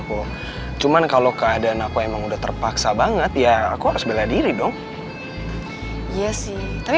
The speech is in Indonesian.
aku cuman kalau keadaan aku emang udah terpaksa banget ya aku harus bela diri dong iya sih tapi